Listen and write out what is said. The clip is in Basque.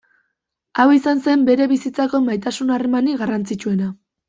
Hau izan zen bere bizitzako maitasun-harremanik garrantzitsuena.